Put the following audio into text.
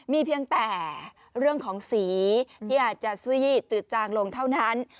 มีเพียงแต่เรื่องของสีที่อาจจะซื่อยจืดจางลงเท่านั้น